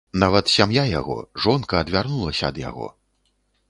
Нават сям'я яго, жонка, адвярнулася ад яго.